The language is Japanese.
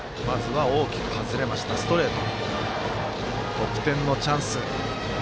得点のチャンス。